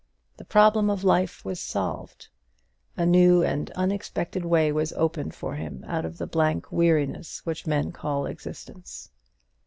The problem of life was solved; a new and unexpected way was opened for him out of the blank weariness which men call existence.